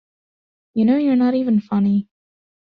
You know you're not even funny.